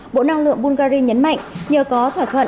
bộ năng lượng bungary nhấn mạnh nhờ có thỏa thuận